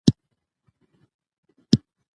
په هېواد کې هندوکش ډېر اهمیت لري.